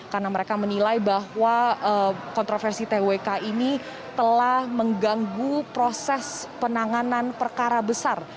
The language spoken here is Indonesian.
karena mereka menilai bahwa kontroversi twk ini telah mengganggu proses penanganan perkara besar